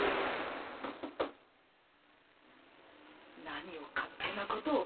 何を勝手な事を！